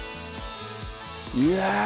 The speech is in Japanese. いや！